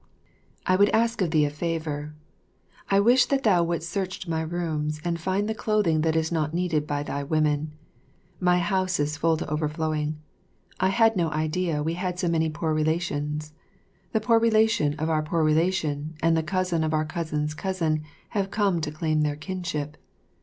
I would ask of thee a favour I wish that thou wouldst search my rooms and find the clothing that is not needed by thy women. My house is full to overflowing. I had no idea we had so many poor relations. The poor relation of our poor relation and the cousin of our cousin's cousin have come to claim their kinship.